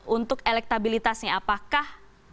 untuk elektabilitasnya apakah